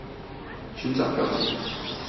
查找標籤